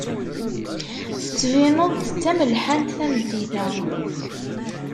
Tettbineḍ-d d tamelḥant tameddit-a.